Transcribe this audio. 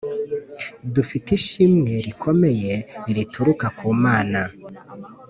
Dufite ishimwe rikomeye rituruka ku Mana